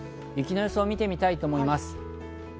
雪の予想を見てみたいと思います。